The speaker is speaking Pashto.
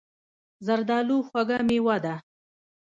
زردالو خوږه مېوه ده.